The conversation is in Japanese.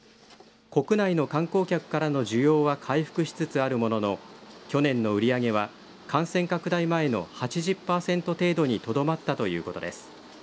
国内の観光客からの需要は回復しつつあるものの去年の売り上げは感染拡大前の８０パーセント程度にとどまったということです。